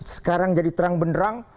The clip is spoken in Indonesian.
sekarang jadi terang benerang